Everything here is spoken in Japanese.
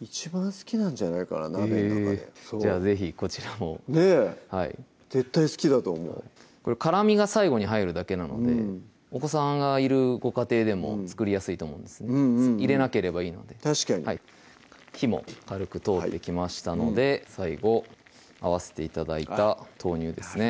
一番好きなんじゃないかな鍋の中でじゃあ是非こちらもねぇ絶対好きだと思う辛みが最後に入るだけなのでお子さんがいるご家庭でも作りやすいと思うんです入れなければいいので確かに火も軽く通ってきましたので最後合わせて頂いた豆乳ですね